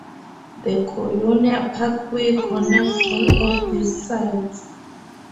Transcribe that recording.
The Colonial Parkway connects all of these sites.